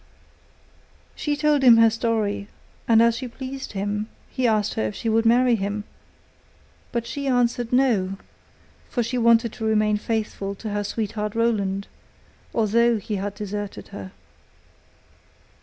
She told him her story, and as she pleased him he asked her if she would marry him, but she answered: 'No,' for she wanted to remain faithful to her sweetheart Roland, although he had deserted her.